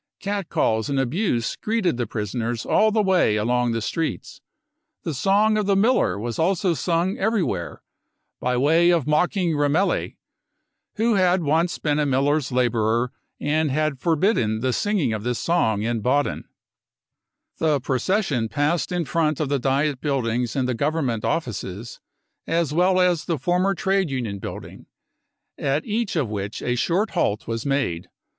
Catcalls and abuse greeted the prisoners all the way along the streets. The song of the miller was also sung everywhere, by way of mocking Remmele, who had once been a miller's labourer and had forbidden the singing of this song in Baden. The procession passed in front of the Diet buildings and the Government offices, as well as the former trade union building, at each of which a short halt was made.